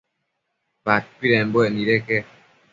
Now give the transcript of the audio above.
Padpidembuec nideque